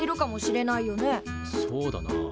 そうだな。